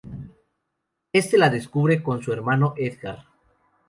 Éste la descubre con su hermano, Edgar.